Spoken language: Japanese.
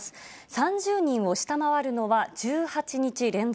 ３０人を下回るのは１８日連続。